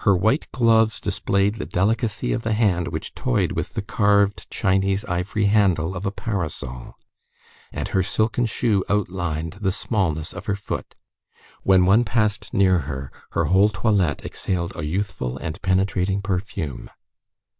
Her white gloves displayed the delicacy of the hand which toyed with the carved, Chinese ivory handle of a parasol, and her silken shoe outlined the smallness of her foot. When one passed near her, her whole toilette exhaled a youthful and penetrating perfume.